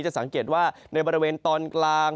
จะสังเกตว่าในบริเวณตอนกลาง